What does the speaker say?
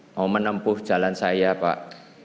mau menempuh jalan saya pak